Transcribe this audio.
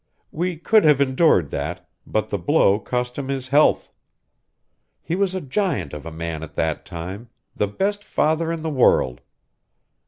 We could have endured that, but the blow cost him his health. He was a giant of a man at that time, the best father in the world.